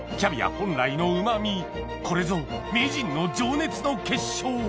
本来のうま味これぞ名人の情熱の結晶！